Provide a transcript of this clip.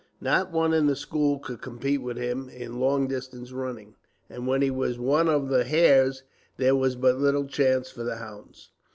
Not one in the school could compete with him in long distance running, and when he was one of the hares there was but little chance for the hounds.